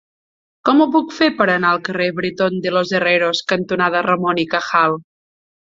Com ho puc fer per anar al carrer Bretón de los Herreros cantonada Ramón y Cajal?